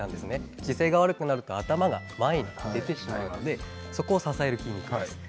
姿勢が悪くなると頭が前に出てしまうのでそこを支える筋肉です。